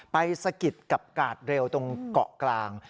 สะกิดกับกาดเร็วตรงเกาะกลาง